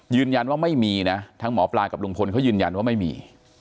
ยืนยันว่าไม่มีนะทั้งหมอปลากับลุงพลเขายืนยันว่าไม่มี